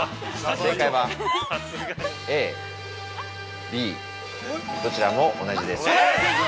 ◆正解は、Ａ、Ｂどちらも同じです。